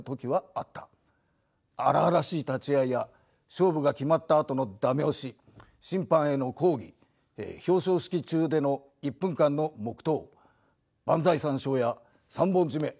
荒々しい立ち合いや勝負が決まったあとの「駄目押し」審判への抗議表彰式中での１分間の黙祷万歳三唱や三本締め。